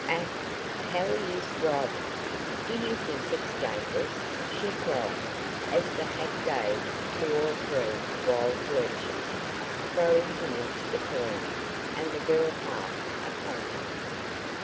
Ach, how he is driving! Do you think it dangerous?" she cried, as the hack gave two or three wild lurches, throwing him into the corner, and the girl half upon him.